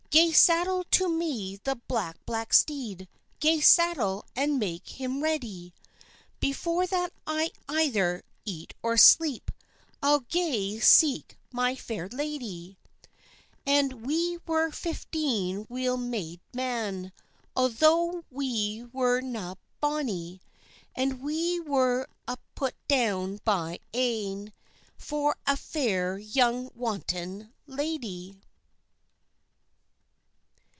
"Gae saddle to me the black black steed, Gae saddle and make him ready; Before that I either eat or sleep, I'll gae seek my fair lady." And we were fifteen weel made men, Altho' we were na bonny; And we were a' put down but ane, For a fair young wanton lady.